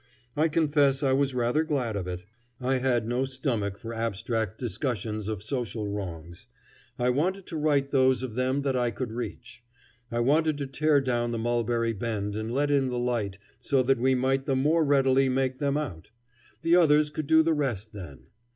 I confess I was rather glad of it. I had no stomach for abstract discussions of social wrongs; I wanted to right those of them that I could reach. I wanted to tear down the Mulberry Bend and let in the light so that we might the more readily make them out; the others could do the rest then.